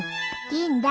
いいんだ。